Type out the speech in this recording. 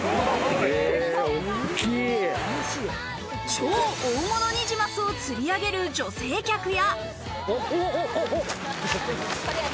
超大物ニジマスを釣り上げる女性客や。